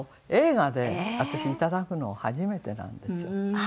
映画で私いただくの初めてなんですよ。